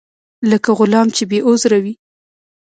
لکه غلام چې بې عذره وي.